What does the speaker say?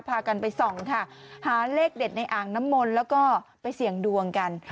พากันไปส่องค่ะหาเลขเด็ดในอ่างน้ำมนต์แล้วก็ไปเสี่ยงดวงกัน